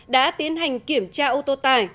đã tiến hành kiểm tra ô tô tải